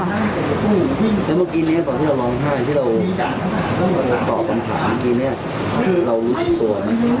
แล้วเมื่อกี้นี้ตอนที่เราร้องไห้ที่เราตอบคำถามทีนี้เรารู้สึกตัวนะ